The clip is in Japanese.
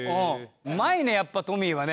うまいねやっぱりトミーはね。